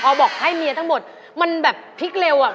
พอบอกให้เมียทั้งหมดมันแบบพลิกเร็วอ่ะ